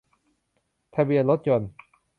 ทะเบียนรถยนต์